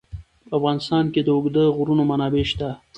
په افغانستان کې د اوږده غرونه منابع شته.